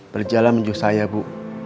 berjalan menuju saya ibu